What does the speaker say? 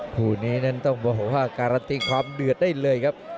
คู่นี้นั้นต้องบอกว่าการันตีความเดือดได้เลยครับ